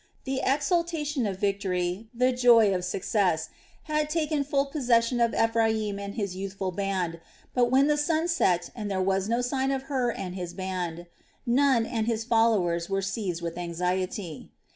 The exultation of victory, the joy of success, had taken full possession of Ephraim and his youthful band; but when the sun set and there was still no sign of Hur and his band, Nun and his followers were seized with anxiety.